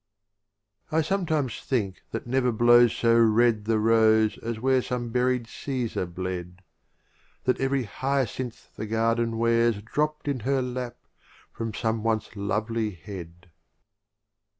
XIX. I sometimes think that never blows so red The Rose as where some buried Caesar bled; That every Hyacinth the Garden wears Dropt in her Lap from some once lovely Head.